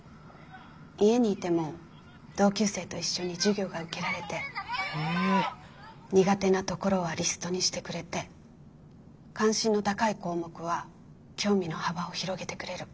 家にいても同級生と一緒に授業が受けられて苦手なところはリストにしてくれて関心の高い項目は興味の幅を広げてくれる。